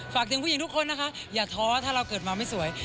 ฝากถึงผู้หญิงทุกคนนะคะอย่าท้อถ้าเราเกิดมาไม่สวย